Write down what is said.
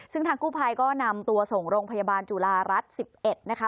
ซึ่งทางกู้ภัยก็นำตัวส่งโรงพยาบาลจุฬารัฐ๑๑นะคะ